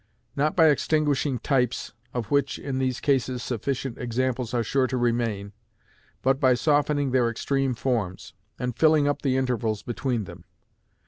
Not by extinguishing types, of which, in these cases, sufficient examples are sure to remain, but by softening their extreme forms, and filling up the intervals between them.